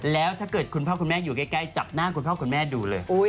แล้วถ้าเกิดคุณพ่อคุณแม่อยู่ใกล้จับหน้าคุณพ่อคุณแม่ดูเลย